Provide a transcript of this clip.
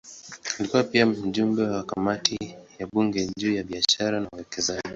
Alikuwa pia mjumbe wa kamati ya bunge juu ya biashara na uwekezaji.